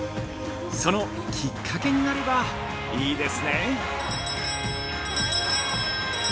そのきっかけになればいいですね。